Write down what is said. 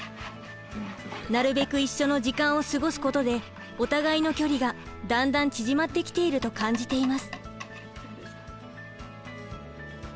なるべく一緒の時間を過ごすことでお互いの距離がだんだん縮まってきていると感じています。